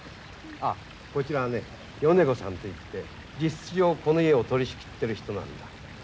ああこちらね米子さんといって実質上この家を取りしきってる人なんだ。